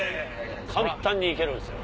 簡単に行けるんすよ。